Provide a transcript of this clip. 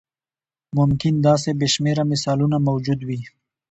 ممکن داسې بې شمېره مثالونه موجود وي.